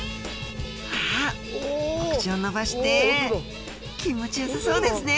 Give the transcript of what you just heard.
お口を伸ばして気持ちよさそうですね